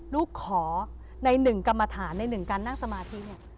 ลูกขอในหนึ่งกรรมฐานในหนึ่งการนั่งสมาธิเนี่ย